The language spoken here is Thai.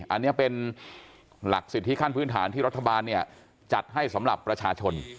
อันนี้เป็นหลักสิทธิขั้นพื้นฐานที่รัฐบาลเนี่ยจัดให้สำหรับประชาชน